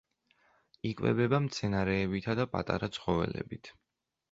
იკვებება მცენარეებითა და პატარა ცხოველებით.